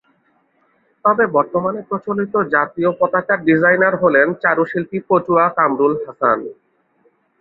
তবে বর্তমানে প্রচলিত জাতীয় পতাকার ডিজাইনার হলেন চারুশিল্পী পটুয়া কামরুল হাসান।